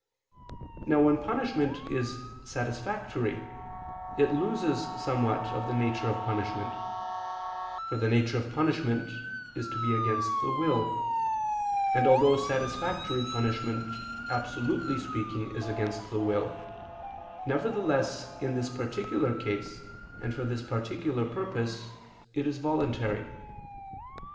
Now when punishment is satisfactory, it loses somewhat of the nature of punishment: for the nature of punishment is to be against the will; and although satisfactory punishment, absolutely speaking, is against the will, nevertheless in this particular case and for this particular purpose, it is voluntary.